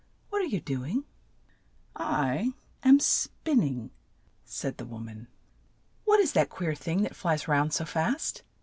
"What are you do ing ?'' "I am spin ning," said the wom an. "What is that queer thing that flies round so fast